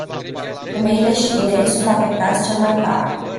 Femeile și tinerii sunt afectați cel mai tare.